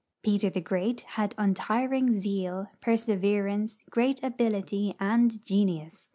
Peter the Great had untiring zeal, perseverance, great ability, and genius.